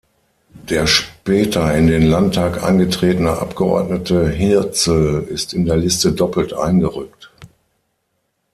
Der später in den Landtag eingetretene Abgeordnete Hirzel ist in der Liste doppelt eingerückt.